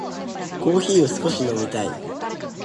コーヒーを少し飲みたい。